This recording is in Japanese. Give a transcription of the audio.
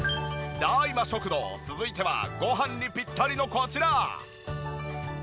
ダーイマ食堂続いてはごはんにピッタリのこちら！